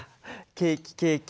ケーキケーキ。